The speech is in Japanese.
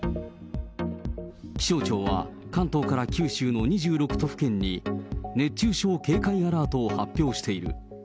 気象庁は関東から九州の２６都府県に熱中症警戒アラートを発表している。